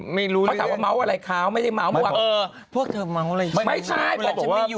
ไม่รู้เพราะมั๊วอะไรครัฐเพราะเธอม้าน้ออะไร